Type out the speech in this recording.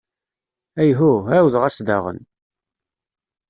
Ayhuh, ɛawdeɣ-as daɣen!